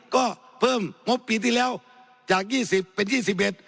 ก็เพิ่มงบปีที่แล้วจากยี่สิบเป็นยี่สิบเอ็ด